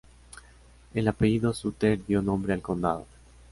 El apellido Sutter dio nombre al condado.